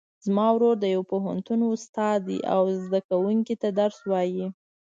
زما ورور د یو پوهنتون استاد ده او زده کوونکو ته درس وایي